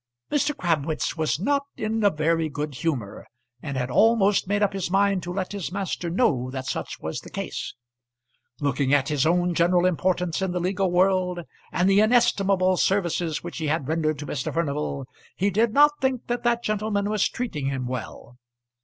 Mr. Crabwitz was not in a very good humour, and had almost made up his mind to let his master know that such was the case. Looking at his own general importance in the legal world, and the inestimable services which he had rendered to Mr. Furnival, he did not think that that gentleman was treating him well.